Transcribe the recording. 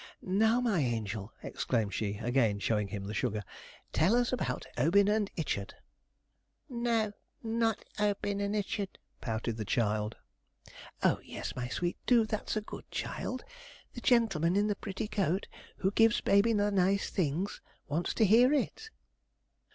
'Now, my angel!' exclaimed she, again showing him the sugar; 'tell us about "Obin and Ichard."' 'No not "Obin and Ichard,"' pouted the child. 'Oh yes, my sweet, do, that's a good child; the gentleman in the pretty coat, who gives baby the nice things, wants to hear it.'